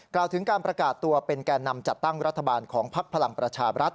กล่าวถึงการประกาศตัวเป็นแก่นำจัดตั้งรัฐบาลของพักพลังประชาบรัฐ